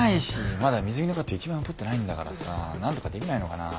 まだ水着のカット１枚も撮ってないんだからさなんとかできないのかなあ？